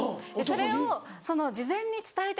それをその事前に伝えてて。